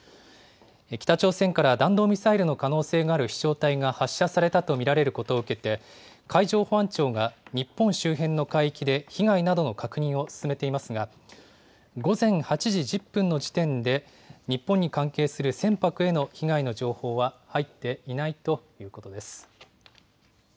北朝鮮から弾道ミサイルの可能性がある飛しょう体が発射されたと見られることを受けて、海上保安庁が日本周辺の海域で、被害などの確認を進めていますが、午前８時１０分の時点で、日本に関係する船舶への被害の情報は入っていないということです。